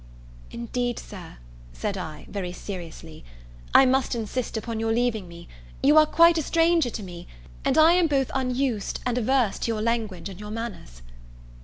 "Indeed, Sir," said I very seriously, "I must insist upon your leaving me; you are quite a stranger to me, and I am both unused, and averse to your language and your manners."